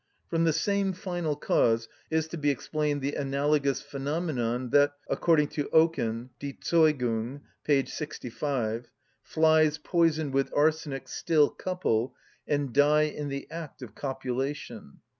From the same final cause is to be explained the analogous phenomenon that (according to Oken, Die Zeugung, p. 65) flies poisoned with arsenic still couple, and die in the act of copulation.